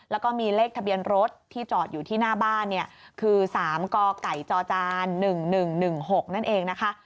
แล้วก็มีเลขทะเบียนรถที่จอดอยู่ที่หน้าบ้านเนี่ยคือ๓กไก่จจ๑๑๑๖นั่นเองนะคะ